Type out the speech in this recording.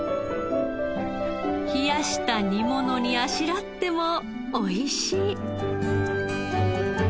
冷やした煮物にあしらってもおいしい。